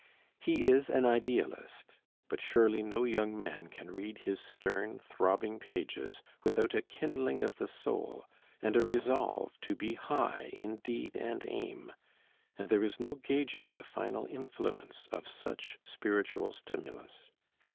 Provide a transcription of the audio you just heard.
He is an idealist: but surely no young man can read his stern, throbbing pages without a kindling of the soul, and a resolve to be high in deed and aim; and there is no gauging the final influence of such spiritual stimulus.